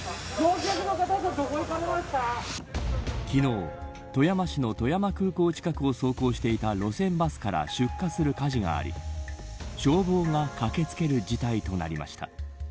昨日、富山市の富山空港近くを走行していた路線バスから出火する火事があり消防が駆け付ける事態となりました。